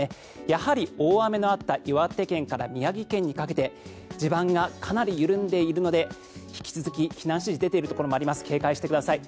やはり大雨のあった岩手県から宮城県にかけて地盤がかなり緩んでいるので引き続き避難指示が出ているところもあります警戒してください。